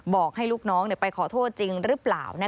บอกให้ลูกน้องไปขอโทษจริงหรือเปล่า